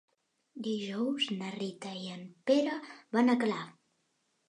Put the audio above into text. Dijous na Rita i en Pere van a Calaf.